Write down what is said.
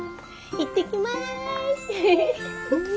行ってきます。